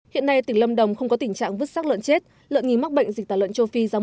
hiện nay tỉnh lâm đồng không có tình trạng vứt sắc lợn chết